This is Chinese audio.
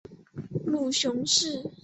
母熊氏。